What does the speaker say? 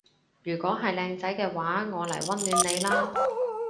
如果係靚仔嘅話我嚟溫暖你啦